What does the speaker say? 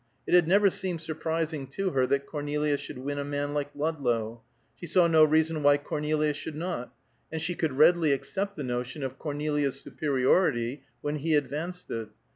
It had never seemed surprising to her that Cornelia should win a man like Ludlow; she saw no reason why Cornelia should not; and she could readily accept the notion of Cornelia's superiority when he advanced it.